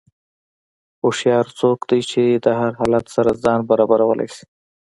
هوښیار څوک دی چې د هر حالت سره ځان برابرولی شي.